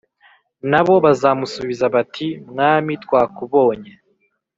Na bo bazamusubiza bati “Mwami twakubonye”